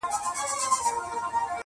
خو له سپي سره خاوند لوبي کولې،